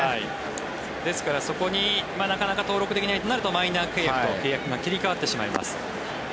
ですからそこになかなか登録できないとなるとマイナー契約と契約が切り替わってしまいます。